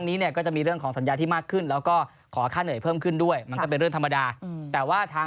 เค้าก็มืออาชีพอีกแล้วเพราะเขาเคยทำงาน